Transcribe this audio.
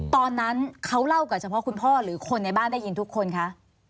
ตอนนั้นเขาเล่ากับเฉพาะคุณพ่อหรือคนในบ้านได้ยินทุกคนคะ